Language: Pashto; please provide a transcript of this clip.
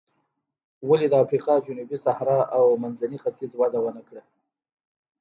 ولې د افریقا جنوبي صحرا او منځني ختیځ وده ونه کړه.